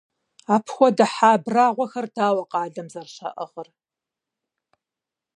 Апхуэдэ хьэ абрагъуэхэр дауэ къалэм зэрыщаӀыгъыр?!